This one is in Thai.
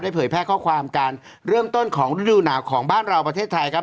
เผยแพร่ข้อความการเริ่มต้นของฤดูหนาวของบ้านเราประเทศไทยครับ